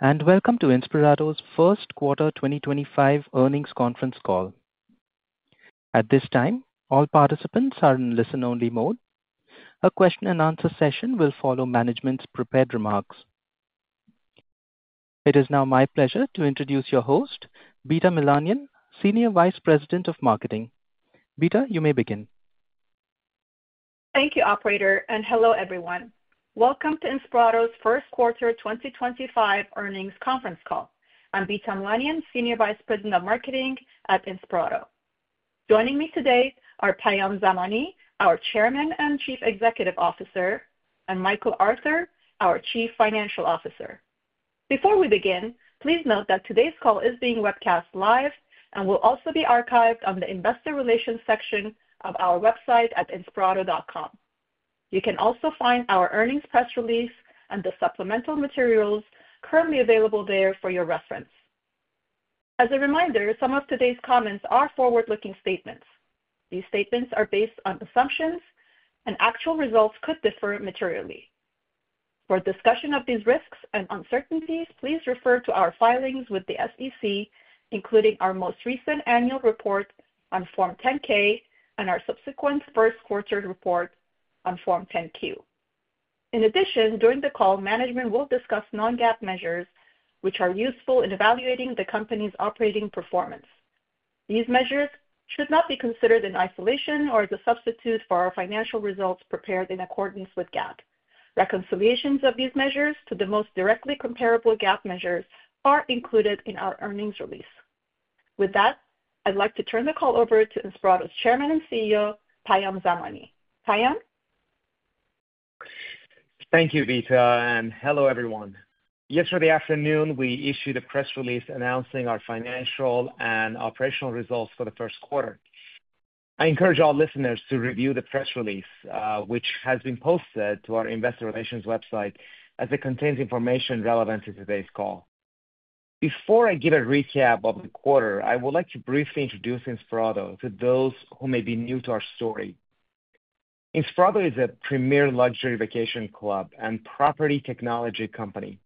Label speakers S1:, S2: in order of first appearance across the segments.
S1: Welcome to Inspirato's first quarter 2025 earnings conference call. At this time, all participants are in listen-only mode. A question-and-answer session will follow management's prepared remarks. It is now my pleasure to introduce your host, Bita Milanian, Senior Vice President of Marketing. Bita, you may begin.
S2: Thank you, Operator, and hello everyone. Welcome to Inspirato's first quarter 2025 earnings conference call. I'm Bita Milanian, Senior Vice President of Marketing at Inspirato. Joining me today are Payam Zamani, our Chairman and Chief Executive Officer, and Michael Arthur, our Chief Financial Officer. Before we begin, please note that today's call is being webcast live and will also be archived on the Investor Relations section of our website at inspirato.com. You can also find our earnings press release and the supplemental materials currently available there for your reference. As a reminder, some of today's comments are forward-looking statements. These statements are based on assumptions, and actual results could differ materially. For discussion of these risks and uncertainties, please refer to our filings with the SEC, including our most recent annual report on Form 10-K and our subsequent first quarter report on Form 10-Q. In addition, during the call, management will discuss non-GAAP measures, which are useful in evaluating the company's operating performance. These measures should not be considered in isolation or as a substitute for our financial results prepared in accordance with GAAP. Reconciliations of these measures to the most directly comparable GAAP measures are included in our earnings release. With that, I'd like to turn the call over to Inspirato's Chairman and CEO, Payam Zamani. Payam?
S3: Thank you, Bita, and hello everyone. Yesterday afternoon, we issued a press release announcing our financial and operational results for the first quarter. I encourage all listeners to review the press release, which has been posted to our Investor Relations website, as it contains information relevant to today's call. Before I give a recap of the quarter, I would like to briefly introduce Inspirato to those who may be new to our story. Inspirato is a premier luxury vacation club and property technology company,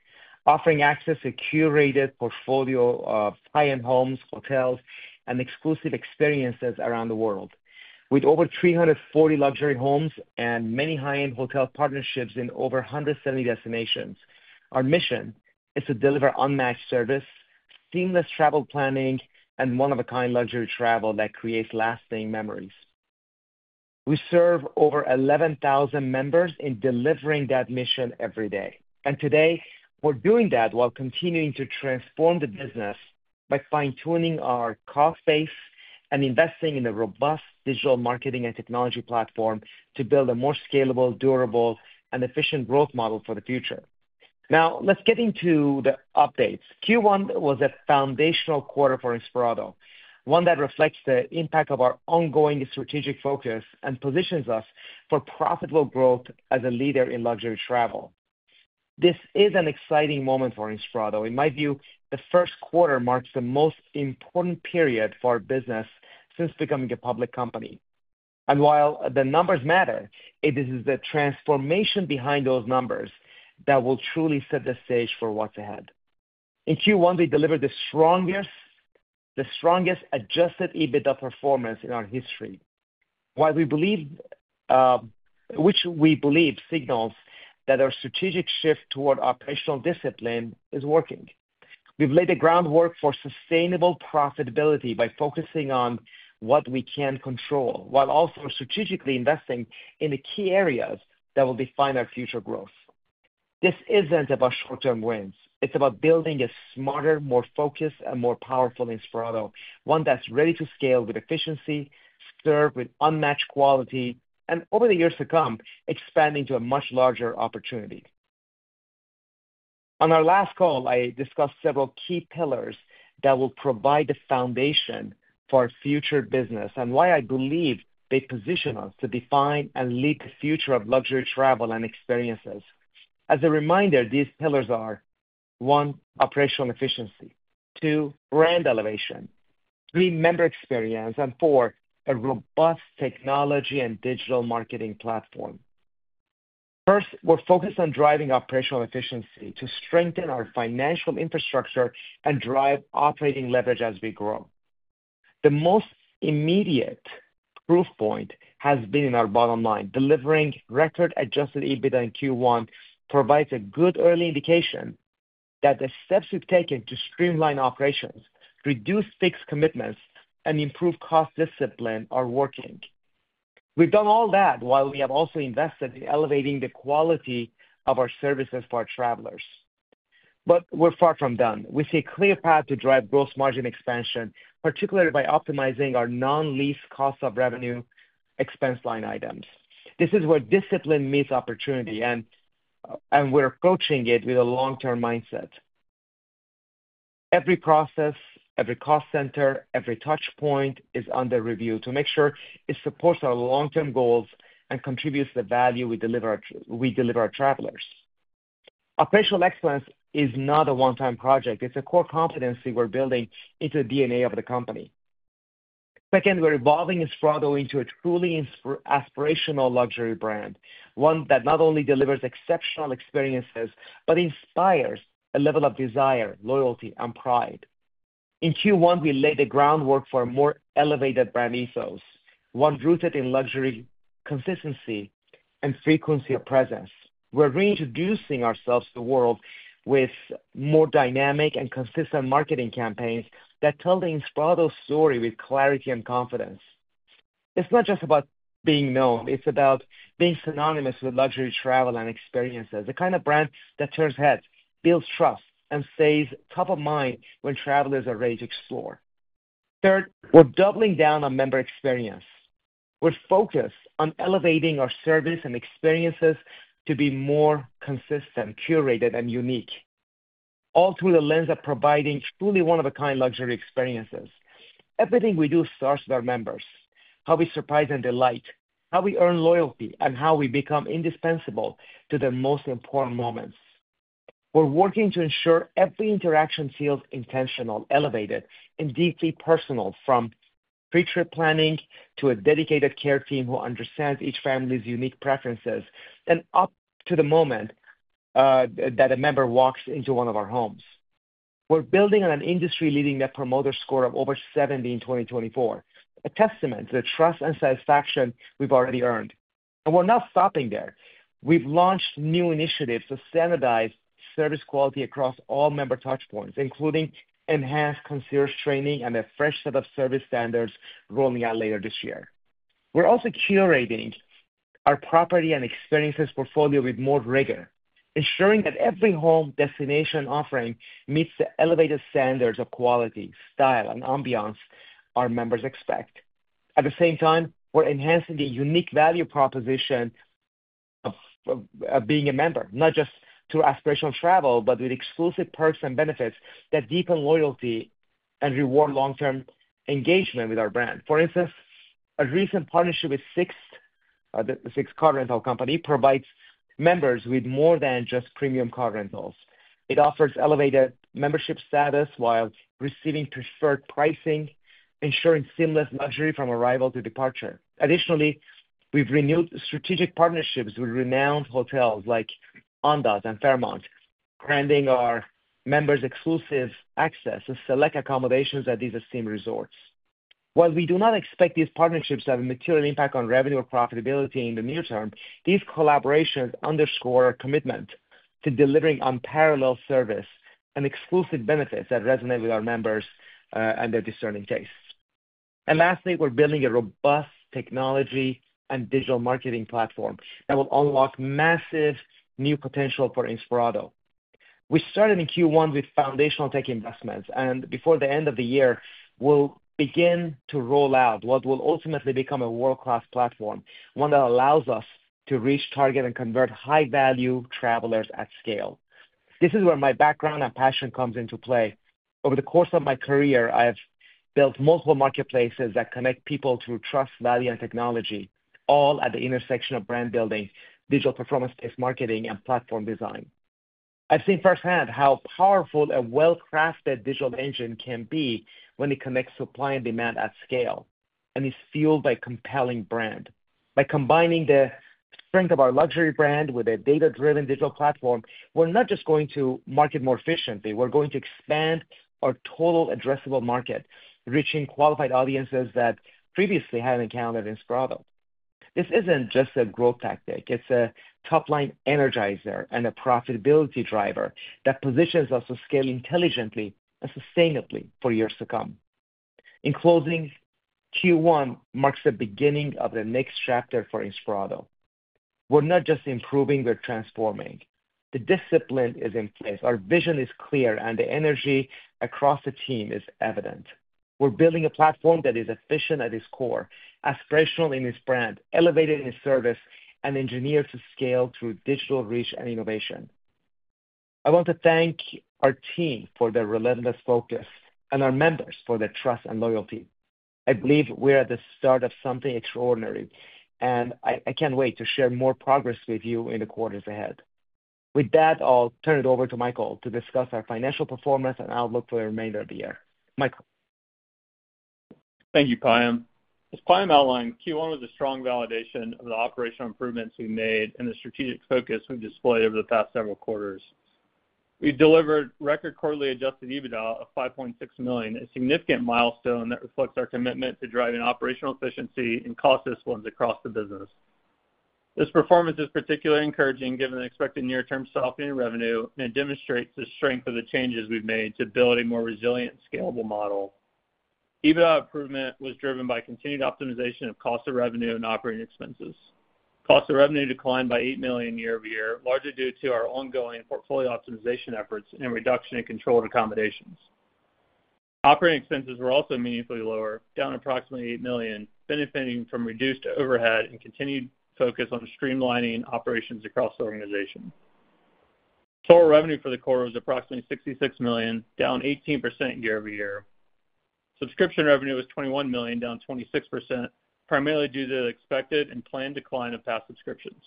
S3: offering access to a curated portfolio of high-end homes, hotels, and exclusive experiences around the world. With over 340 luxury homes and many high-end hotel partnerships in over 170 destinations, our mission is to deliver unmatched service, seamless travel planning, and one-of-a-kind luxury travel that creates lasting memories. We serve over 11,000 members in delivering that mission every day. Today, we're doing that while continuing to transform the business by fine-tuning our cost base and investing in a robust digital marketing and technology platform to build a more scalable, durable, and efficient growth model for the future. Now, let's get into the updates. Q1 was a foundational quarter for Inspirato, one that reflects the impact of our ongoing strategic focus and positions us for profitable growth as a leader in luxury travel. This is an exciting moment for Inspirato. In my view, the first quarter marks the most important period for our business since becoming a public company. While the numbers matter, it is the transformation behind those numbers that will truly set the stage for what's ahead. In Q1, we delivered the strongest adjusted EBITDA performance in our history, which we believe signals that our strategic shift toward operational discipline is working. We've laid the groundwork for sustainable profitability by focusing on what we can control, while also strategically investing in the key areas that will define our future growth. This isn't about short-term wins. It's about building a smarter, more focused, and more powerful Inspirato, one that's ready to scale with efficiency, served with unmatched quality, and over the years to come, expanding to a much larger opportunity. On our last call, I discussed several key pillars that will provide the foundation for our future business and why I believe they position us to define and lead the future of luxury travel and experiences. As a reminder, these pillars are: 1, operational efficiency; 2, brand elevation; 3, member experience; and four, a robust technology and digital marketing platform. First, we're focused on driving operational efficiency to strengthen our financial infrastructure and drive operating leverage as we grow. The most immediate proof point has been in our bottom line. Delivering record-adjusted EBITDA in Q1 provides a good early indication that the steps we've taken to streamline operations, reduce fixed commitments, and improve cost discipline are working. We've done all that while we have also invested in elevating the quality of our services for our travelers. We're far from done. We see a clear path to drive gross margin expansion, particularly by optimizing our non-lease cost of revenue expense line items. This is where discipline meets opportunity, and we're approaching it with a long-term mindset. Every process, every cost center, every touchpoint is under review to make sure it supports our long-term goals and contributes the value we deliver our travelers. Operational excellence is not a one-time project. It's a core competency we're building into the DNA of the company. Second, we're evolving Inspirato into a truly aspirational luxury brand, one that not only delivers exceptional experiences but inspires a level of desire, loyalty, and pride. In Q1, we laid the groundwork for a more elevated brand ethos, one rooted in luxury consistency and frequency of presence. We're reintroducing ourselves to the world with more dynamic and consistent marketing campaigns that tell the Inspirato story with clarity and confidence. It's not just about being known. It's about being synonymous with luxury travel and experiences, the kind of brand that turns heads, builds trust, and stays top of mind when travelers are ready to explore. Third, we're doubling down on member experience. We're focused on elevating our service and experiences to be more consistent, curated, and unique, all through the lens of providing truly one-of-a-kind luxury experiences. Everything we do starts with our members, how we surprise and delight, how we earn loyalty, and how we become indispensable to the most important moments. We're working to ensure every interaction feels intentional, elevated, and deeply personal, from pre-trip planning to a dedicated care team who understands each family's unique preferences and up to the moment that a member walks into one of our homes. We're building on an industry leading net promoter score of over 70 in 2024, a testament to the trust and satisfaction we've already earned. We're not stopping there. We've launched new initiatives to standardize service quality across all member touchpoints, including enhanced concierge training and a fresh set of service standards rolling out later this year. We're also curating our property and experiences portfolio with more rigor, ensuring that every home destination offering meets the elevated standards of quality, style, and ambiance our members expect. At the same time, we're enhancing the unique value proposition of being a member, not just through aspirational travel, but with exclusive perks and benefits that deepen loyalty and reward long-term engagement with our brand. For instance, a recent partnership with Sixt Car Rental Company provides members with more than just premium car rentals. It offers elevated membership status while receiving preferred pricing, ensuring seamless luxury from arrival to departure. Additionally, we've renewed strategic partnerships with renowned hotels like Andaz and Fairmont, granting our members exclusive access to select accommodations at these esteemed resorts. While we do not expect these partnerships to have a material impact on revenue or profitability in the near term, these collaborations underscore our commitment to delivering unparalleled service and exclusive benefits that resonate with our members and their discerning taste. Lastly, we're building a robust technology and digital marketing platform that will unlock massive new potential for Inspirato. We started in Q1 with foundational tech investments, and before the end of the year, we'll begin to roll out what will ultimately become a world-class platform, one that allows us to reach, target, and convert high-value travelers at scale. This is where my background and passion comes into play. Over the course of my career, I've built multiple marketplaces that connect people through trust, value, and technology, all at the intersection of brand building, digital performance-based marketing, and platform design. I've seen firsthand how powerful a well-crafted digital engine can be when it connects supply and demand at scale, and it's fueled by a compelling brand. By combining the strength of our luxury brand with a data-driven digital platform, we're not just going to market more efficiently. We're going to expand our total addressable market, reaching qualified audiences that previously hadn't encountered Inspirato. This isn't just a growth tactic. It's a top-line energizer and a profitability driver that positions us to scale intelligently and sustainably for years to come. In closing, Q1 marks the beginning of the next chapter for Inspirato. We're not just improving. We're transforming. The discipline is in place. Our vision is clear, and the energy across the team is evident. We're building a platform that is efficient at its core, aspirational in its brand, elevated in its service, and engineered to scale through digital reach and innovation. I want to thank our team for their relentless focus and our members for their trust and loyalty. I believe we're at the start of something extraordinary, and I can't wait to share more progress with you in the quarters ahead. With that, I'll turn it over to Michael to discuss our financial performance and outlook for the remainder of the year. Michael.
S4: Thank you, Payam. As Payam outlined, Q1 was a strong validation of the operational improvements we made and the strategic focus we've displayed over the past several quarters. We've delivered record-quarterly adjusted EBITDA of $5.6 million, a significant milestone that reflects our commitment to driving operational efficiency and cost disciplines across the business. This performance is particularly encouraging given the expected near-term soft revenue, and it demonstrates the strength of the changes we've made to build a more resilient, scalable model. EBITDA improvement was driven by continued optimization of cost of revenue and operating expenses. Cost of revenue declined by $8 million year over year, largely due to our ongoing portfolio optimization efforts and reduction in controlled accommodations. Operating expenses were also meaningfully lower, down approximately $8 million, benefiting from reduced overhead and continued focus on streamlining operations across the organization. Total revenue for the quarter was approximately $66 million, down 18% year over year. Subscription revenue was $21 million, down 26%, primarily due to the expected and planned decline of Pass subscriptions.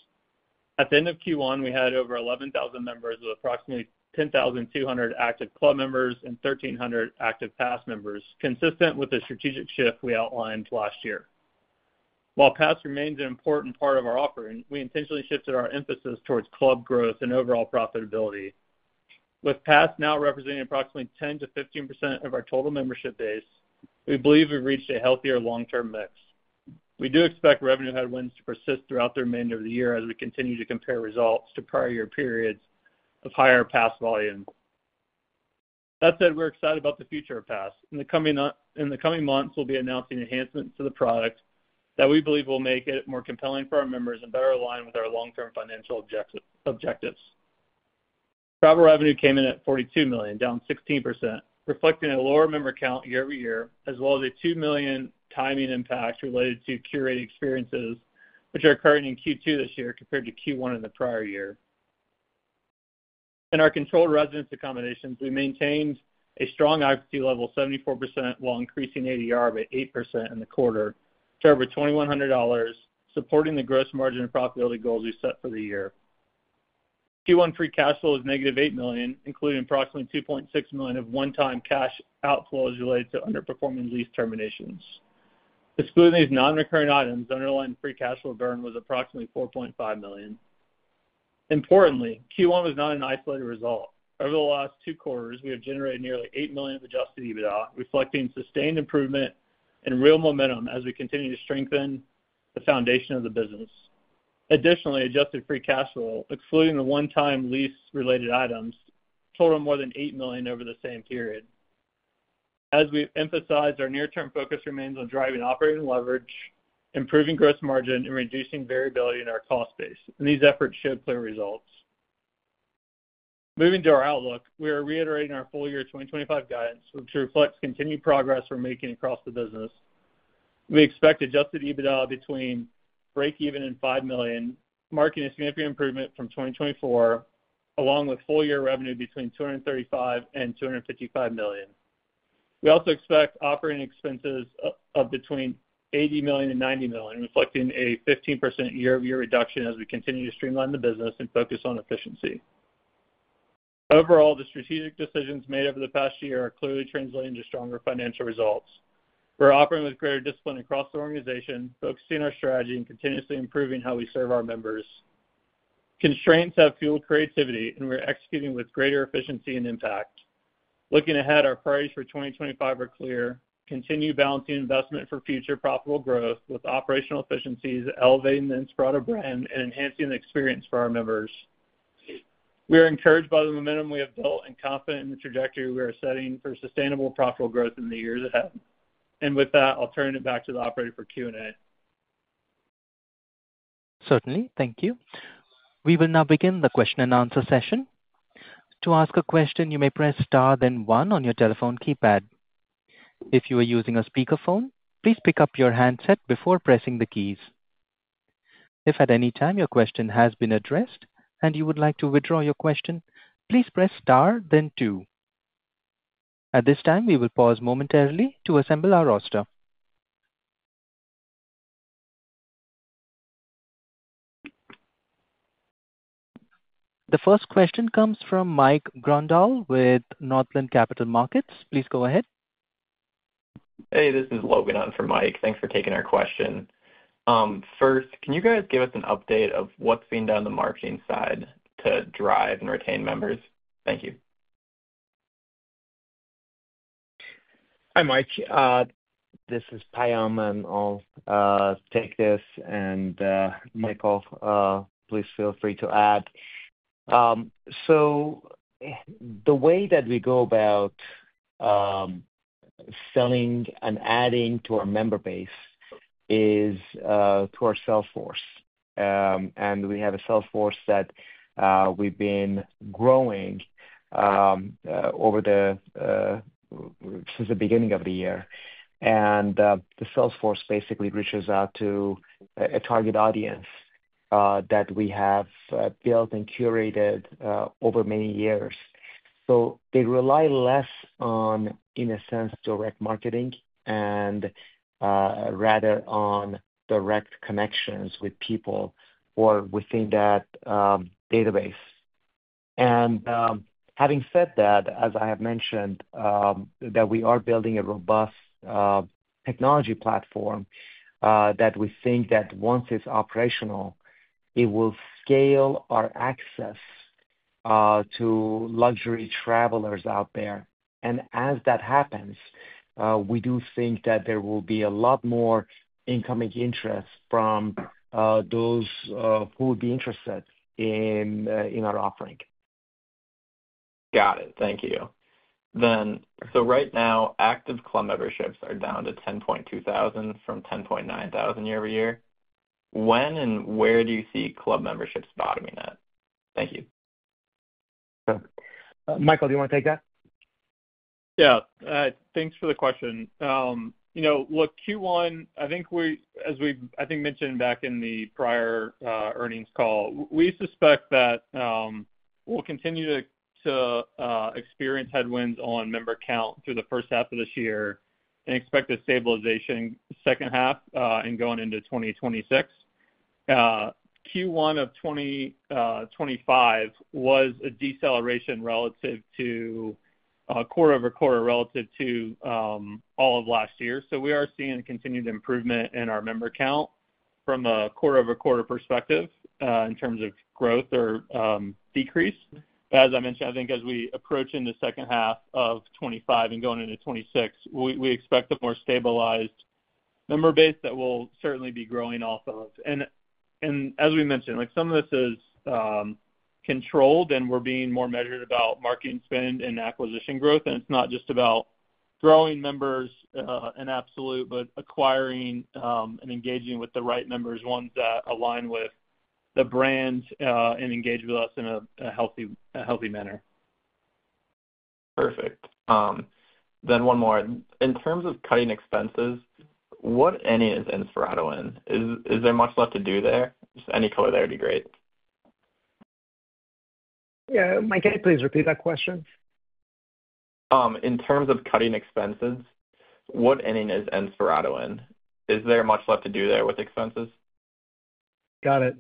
S4: At the end of Q1, we had over 11,000 members with approximately 10,200 active Club members and 1,300 active Pass members, consistent with the strategic shift we outlined last year. While pass remains an important part of our offering, we intentionally shifted our emphasis towards club growth and overall profitability. With Pass now representing approximately 10-15% of our total membership base, we believe we've reached a healthier long-term mix. We do expect revenue headwinds to persist throughout the remainder of the year as we continue to compare results to prior year periods of higher pass volume. That said, we're excited about the future of pass. In the coming months, we'll be announcing enhancements to the product that we believe will make it more compelling for our members and better align with our long-term financial objectives. Travel revenue came in at $42 million, down 16%, reflecting a lower member count year over year, as well as a $2 million timing impact related to curated experiences, which are occurring in Q2 this year compared to Q1 in the prior year. In our controlled residence accommodations, we maintained a strong occupancy rate of 74% while increasing ADR by 8% in the quarter to over $2,100, supporting the gross margin and profitability goals we set for the year. Q1 free cash flow was negative $8 million, including approximately $2.6 million of one-time cash outflows related to underperforming lease terminations. Excluding these non-recurring items, the underlying free cash flow burn was approximately $4.5 million. Importantly, Q1 was not an isolated result. Over the last two quarters, we have generated nearly $8 million of adjusted EBITDA, reflecting sustained improvement and real momentum as we continue to strengthen the foundation of the business. Additionally, adjusted free cash flow, excluding the one-time lease-related items, totaled more than $8 million over the same period. As we emphasize, our near-term focus remains on driving operating leverage, improving gross margin, and reducing variability in our cost base. These efforts show clear results. Moving to our outlook, we are reiterating our full year 2025 guidance, which reflects continued progress we are making across the business. We expect adjusted EBITDA between break-even and $5 million, marking a significant improvement from 2024, along with full year revenue between $235 million-$255 million. We also expect operating expenses of between $80 million and $90 million, reflecting a 15% year-over-year reduction as we continue to streamline the business and focus on efficiency. Overall, the strategic decisions made over the past year are clearly translating to stronger financial results. We're operating with greater discipline across the organization, focusing on our strategy and continuously improving how we serve our members. Constraints have fueled creativity, and we're executing with greater efficiency and impact. Looking ahead, our priorities for 2025 are clear: continue balancing investment for future profitable growth with operational efficiencies, elevating the Inspirato brand, and enhancing the experience for our members. We are encouraged by the momentum we have built and confident in the trajectory we are setting for sustainable profitable growth in the years ahead. I'll turn it back to the operator for Q&A.
S1: Certainly, thank you. We will now begin the question and answer session. To ask a question, you may press Star, then 1 on your telephone keypad. If you are using a speakerphone, please pick up your handset before pressing the keys. If at any time your question has been addressed and you would like to withdraw your question, please press Star, then 2. At this time, we will pause momentarily to assemble our roster. The first question comes from Mike Grundahl with Northland Capital Markets. Please go ahead.
S5: Hey, this is Logan on for Mike. Thanks for taking our question. First, can you guys give us an update of what's being done on the marketing side to drive and retain members? Thank you.
S3: Hi, Mike. This is Payam and I'll take this. Michael, please feel free to add. The way that we go about selling and adding to our member base is through our sales force. We have a sales force that we've been growing since the beginning of the year. The sales force basically reaches out to a target audience that we have built and curated over many years. They rely less on, in a sense, direct marketing and rather on direct connections with people or within that database. Having said that, as I have mentioned, we are building a robust technology platform that we think that once it's operational, it will scale our access to luxury travelers out there. As that happens, we do think that there will be a lot more incoming interest from those who would be interested in our offering.
S5: Got it. Thank you. Right now, active Club memberships are down to 10.2 thousand from 10.9 thousand year over year. When and where do you see club memberships bottoming out? Thank you.
S3: Okay. Michael, do you want to take that?
S4: Yeah. Thanks for the question. Look, Q1, I think we, as we I think mentioned back in the prior earnings call, we suspect that we'll continue to experience headwinds on member count through the first half of this year and expect a stabilization second half and going into 2026. Q1 of 2025 was a deceleration quarter over quarter relative to all of last year. We are seeing continued improvement in our member count from a quarter over quarter perspective in terms of growth or decrease. As I mentioned, I think as we approach into second half of 2025 and going into 2026, we expect a more stabilized member base that we will certainly be growing off of. As we mentioned, some of this is controlled, and we're being more measured about marketing spend and acquisition growth. It's not just about growing members in absolute, but acquiring and engaging with the right members, ones that align with the brand and engage with us in a healthy manner.
S5: Perfect. One more. In terms of cutting expenses, what inning is Inspirato in? Is there much left to do there? Just any color there would be great.
S3: Yeah. Mike, can you please repeat that question?
S5: In terms of cutting expenses, what inning is Inspirato in? Is there much left to do there with expenses?
S3: Got it.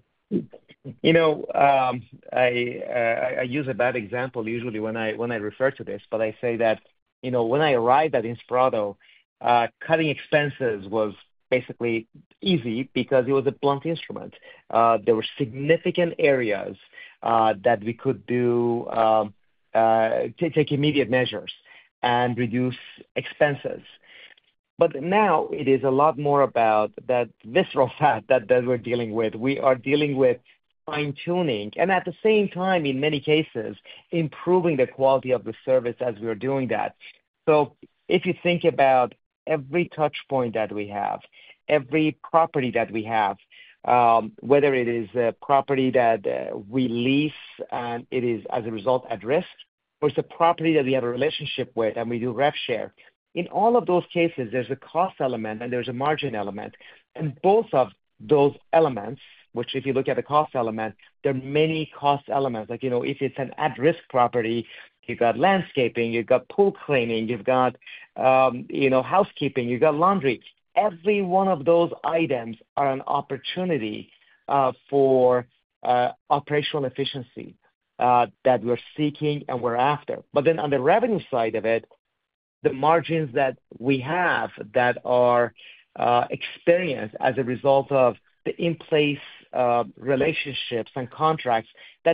S3: I use a bad example usually when I refer to this, but I say that when I arrived at Inspirato, cutting expenses was basically easy because it was a blunt instrument. There were significant areas that we could do, take immediate measures, and reduce expenses. Now it is a lot more about that visceral fact that we're dealing with. We are dealing with fine-tuning and at the same time, in many cases, improving the quality of the service as we are doing that. If you think about every touchpoint that we have, every property that we have, whether it is a property that we lease and it is, as a result, at risk, or it's a property that we have a relationship with and we do rev share. In all of those cases, there's a cost element and there's a margin element. Both of those elements, which if you look at the cost element, there are many cost elements. If it is an at-risk property, you have got landscaping, you have got pool cleaning, you have got housekeeping, you have got laundry. Every one of those items are an opportunity for operational efficiency that we are seeking and we are after. On the revenue side of it, the margins that we have that are experienced as a result of the in-place relationships and contracts,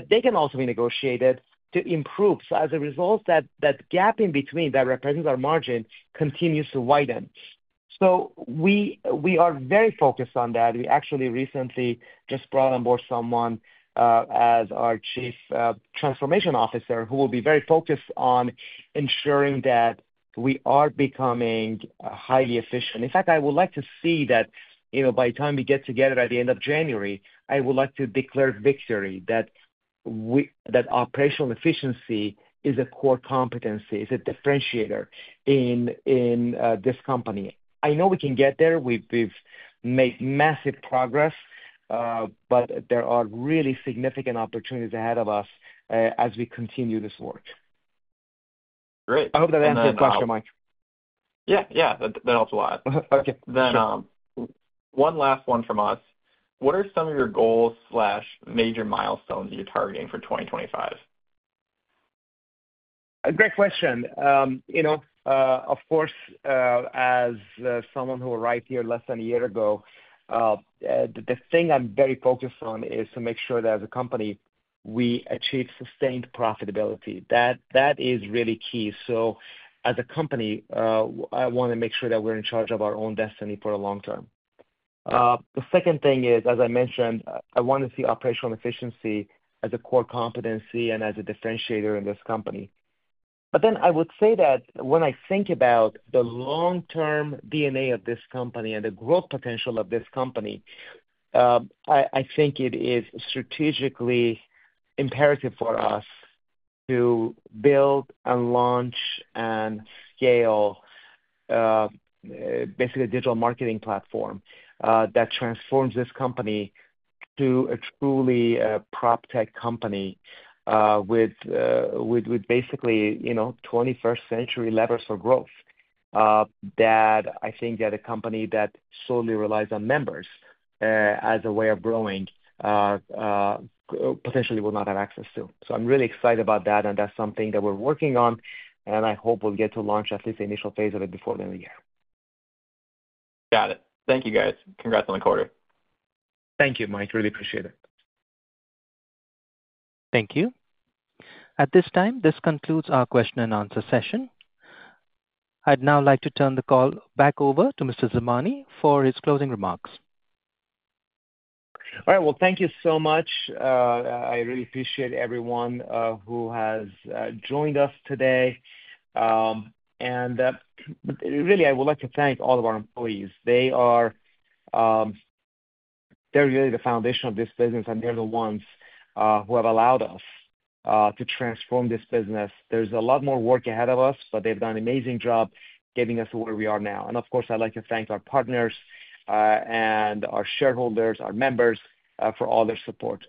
S3: they can also be negotiated to improve. As a result, that gap in between that represents our margin continues to widen. We are very focused on that. We actually recently just brought on board someone as our Chief Transformation Officer who will be very focused on ensuring that we are becoming highly efficient. In fact, I would like to see that by the time we get together at the end of January, I would like to declare victory that operational efficiency is a core competency, is a differentiator in this company. I know we can get there. We've made massive progress, but there are really significant opportunities ahead of us as we continue this work.
S5: Great.
S3: I hope that answers your question, Mike.
S5: Yeah. Yeah. That helps a lot.
S3: Okay.
S5: One last one from us. What are some of your goals or major milestones you're targeting for 2025?
S3: Great question. Of course, as someone who arrived here less than a year ago, the thing I'm very focused on is to make sure that as a company, we achieve sustained profitability. That is really key. As a company, I want to make sure that we're in charge of our own destiny for the long term. The second thing is, as I mentioned, I want to see operational efficiency as a core competency and as a differentiator in this company. I would say that when I think about the long-term DNA of this company and the growth potential of this company, I think it is strategically imperative for us to build and launch and scale basically a digital marketing platform that transforms this company to a truly prop tech company with basically 21st-century levers for growth that I think that a company that solely relies on members as a way of growing potentially will not have access to. I'm really excited about that, and that's something that we're working on, and I hope we'll get to launch at least the initial phase of it before the end of the year.
S5: Got it. Thank you, guys. Congrats on the quarter.
S3: Thank you, Mike. Really appreciate it.
S1: Thank you. At this time, this concludes our question and answer session. I'd now like to turn the call back over to Mr. Zamani for his closing remarks.
S3: All right. Thank you so much. I really appreciate everyone who has joined us today. I would like to thank all of our employees. They are really the foundation of this business, and they're the ones who have allowed us to transform this business. There's a lot more work ahead of us, but they've done an amazing job getting us to where we are now. Of course, I'd like to thank our partners and our shareholders, our members for all their support.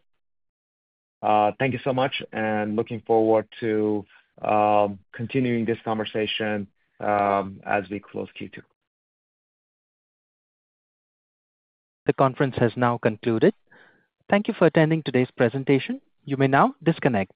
S3: Thank you so much, and looking forward to continuing this conversation as we close Q2.
S1: The conference has now concluded. Thank you for attending today's presentation. You may now disconnect.